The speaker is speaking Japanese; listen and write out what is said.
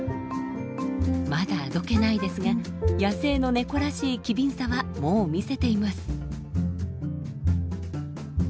まだあどけないですが野生のネコらしい機敏さはもう見せています。